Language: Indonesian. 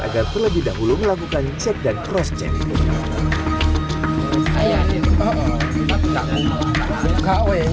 agar terlebih dahulu melakukan cek dan cross check